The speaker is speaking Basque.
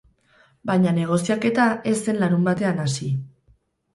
Baina negoziaketa ez zen larunbatean hasi.